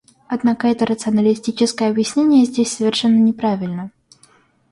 Однако это рационалистическое объяснение здесь совершенно неправильно.